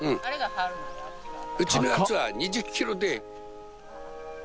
發ぁうちのやつは２０キロで。